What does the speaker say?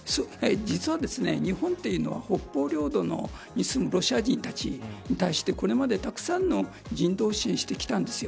実は日本というのは北方領土にむロシア人に対し立してこれまで、たくさんの人道支援をしてきたんです。